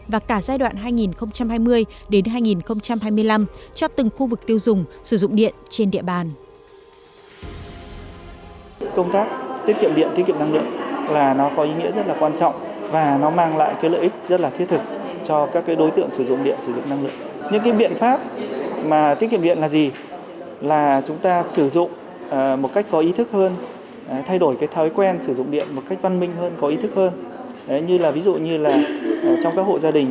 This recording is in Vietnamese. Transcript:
và cả giai đoạn hai nghìn hai mươi hai nghìn hai mươi năm cho từng khu vực tiêu dùng